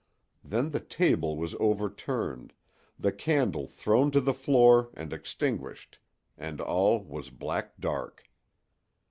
Then the table was overturned, the candle thrown to the floor and extinguished, and all was black dark.